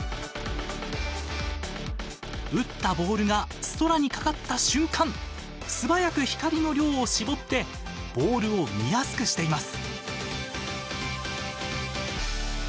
打ったボールが空にかかった瞬間素早く光の量を絞ってボールを見やすくしています。